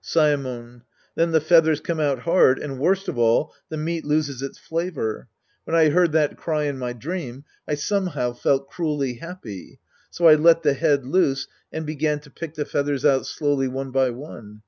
Saemon. Then the feathers come out hard and, worst of all, the meat loses its flavor. When I heard that crj^n my dream, I somehow felt cruelly happy. So I let the head loose and began to pick the feathers out slowly one by one.